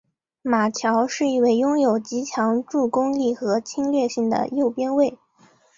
马乔是一位拥有极强助攻力和侵略性的右边卫。